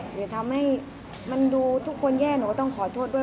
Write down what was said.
หรือทำให้มันดูทุกคนแย่หนูก็ต้องขอโทษด้วย